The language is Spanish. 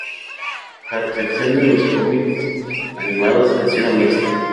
La recepción de los cómics animados ha sido mixta.